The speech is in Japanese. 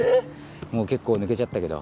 もう結構抜けちゃったけど。